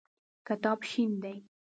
کتاب شین دی.